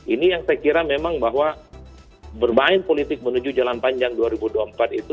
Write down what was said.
ini yang saya kira memang bahwa bermain politik menuju jalan panjang dua ribu dua puluh empat itu